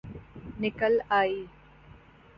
نکل آئ